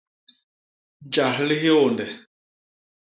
Jas li hiônde.